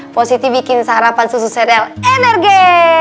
positi bikin sarapan susu cereal energe